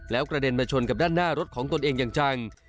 แล้วกระเด็นมาชนกับด้านหน้ารถของตนเองอย่างจัง